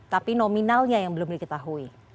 tapi nominalnya yang belum diketahui